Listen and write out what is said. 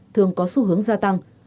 thường có xu hướng gia tăng